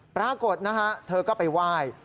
ปรากฏเธอก็ไปไหว้